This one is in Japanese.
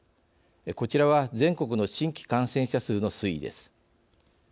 こちらは、全国の新規感染者数の推移です。